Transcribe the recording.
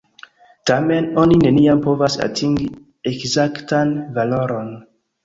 Tamen, oni neniam povas atingi ekzaktan valoron.